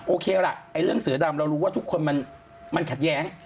โอเคล่ะเรื่องเสือดำเรารู้ว่าทุกคนมันขัดแย้ง